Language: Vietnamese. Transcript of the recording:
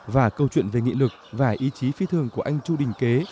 và câu chuyện về nghị lực và ý chí phi thường của anh chu đình kế